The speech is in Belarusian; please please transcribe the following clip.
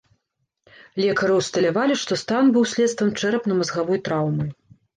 Лекары ўсталявалі, што стан быў следствам чэрапна-мазгавой траўмы.